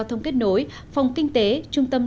chương trình của chúng tôi